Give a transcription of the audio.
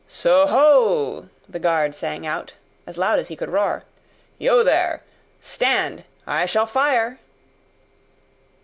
"So ho!" the guard sang out, as loud as he could roar. "Yo there! Stand! I shall fire!"